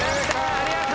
ありがとう。